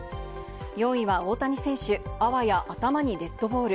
４位は大谷選手、あわや頭にデッドボール。